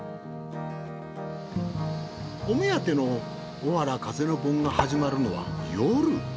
お目当てのおわら風の盆が始まるのは夜。